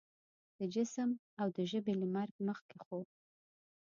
د جسم او د ژبې له مرګ مخکې خو